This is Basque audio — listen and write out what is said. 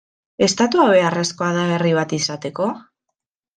Estatua beharrezkoa da herri bat izateko?